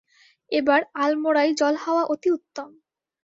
এবারে আলমোড়ায় জলহাওয়া অতি উত্তম।